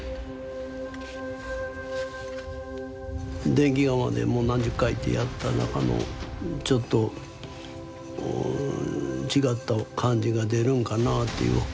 電気窯でもう何十回ってやった中のちょっと違った感じが出るんかなっていう。